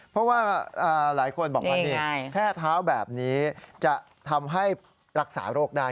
เพราะว่าหลายคนบอกว่านี่แช่เท้าแบบนี้จะทำให้รักษาโรคได้